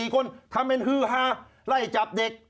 ๔คนทำเป็นฮือฮาไล่จับเด็ก